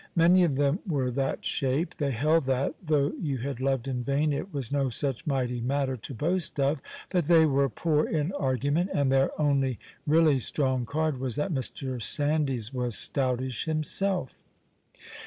Many of them were that shape. They held that, though you had loved in vain, it was no such mighty matter to boast of; but they were poor in argument, and their only really strong card was that Mr. Sandys was stoutish himself.